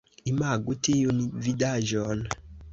Imagu tiun vidaĵon!